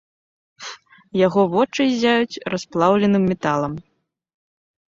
Яго вочы ззяюць расплаўленым металам.